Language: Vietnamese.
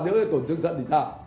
nếu nó tổn thương thận thì sao